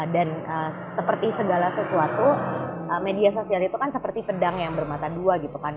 dan seperti segala sesuatu media sosial itu kan seperti pedang yang bermata dua gitu kan